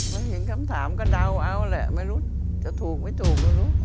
เห็นคำถามก็เดาเอาแหละไม่รู้จะถูกไม่ถูกไม่รู้